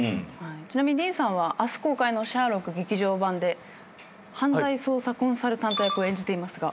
ちなみにディーンさんは明日公開の『シャーロック劇場版』で犯罪捜査コンサルタント役を演じていますが。